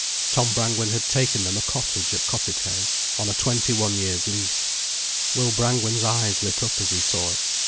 Tom Brangwen had taken them a cottage at Cossethay, on a twenty one years' lease. Will Brangwen's eyes lit up as he saw it.